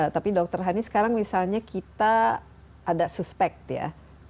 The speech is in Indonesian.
tapi dokter hani sekarang misalnya kita ada suspek ya